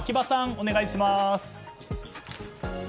お願いします。